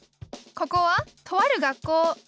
ここはとある学校。